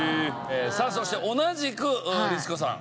さあそして同じく律子さん